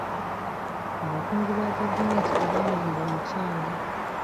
Abakungu ba gavumenti tebaayamba mukyala .